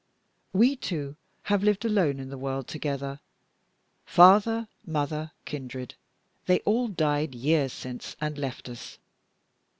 We two have lived alone in the world together; father, mother, kindred, they all died years since, and left us.